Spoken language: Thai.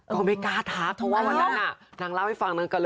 เขาไม่กล้าทักเพราะว่าวันนั้นน่ะ